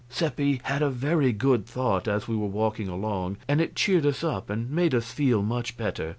Seppi had a very good thought as we were walking along, and it cheered us up and made us feel much better.